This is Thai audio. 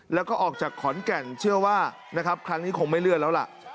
แล้วก็ออกจากขอนแก่นเชื่อว่านะครับครั้งนี้คงไม่เลื่อนแล้วล่ะ